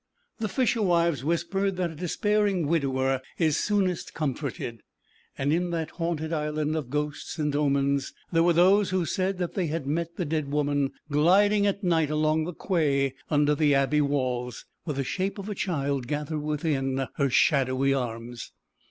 The fisherwives whispered that a despairing widower is soonest comforted; and in that haunted Island of ghosts and omens there were those who said that they had met the dead woman gliding at night along the quay under the Abbey walls, with the shape of a child gathered within her shadowy arms.